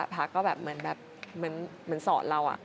พระก็แบบเหมือนสอนเรา